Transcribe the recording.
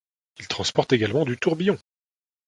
Il transporte également du tourbillon.